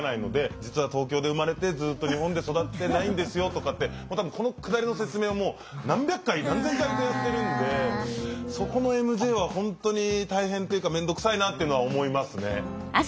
実は東京で生まれてずっと日本で育ってないんですよとかってこのくだりの説明をもう何百回何千回とやってるんでそこのＭＪは本当に大変っていうかめんどくさいなっていうのは思いますね。